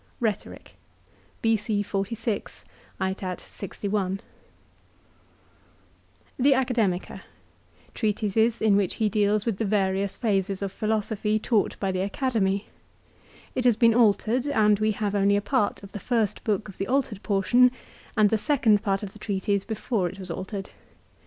* The Treatises, in which he deals with the various Academica phases of Philosophy taught by the Academy. It has been altered, and we have only a part of the first book of the altered portion and the. second part of the treatise before it was altered.